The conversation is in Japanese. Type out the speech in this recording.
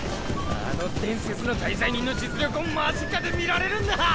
あの伝説の大罪人の実力を間近で見られるんだ。